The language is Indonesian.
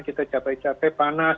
kita capek capek panas